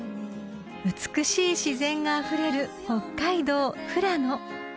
［美しい自然があふれる北海道富良野］